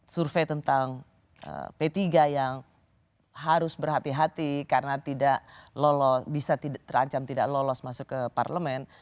survei tentang p tiga yang harus berhati hati karena tidak lolos bisa terancam tidak lolos masuk ke parlemen